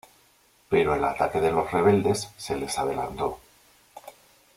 Pero el ataque de los rebeldes se les adelantó.